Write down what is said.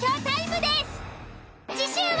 次週は。